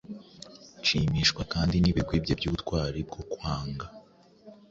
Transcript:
Nshimishwa kandi n’ibigwi bye by’ubutwari bwo kwanga